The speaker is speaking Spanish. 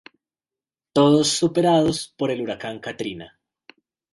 Todos superados por el huracán Katrina.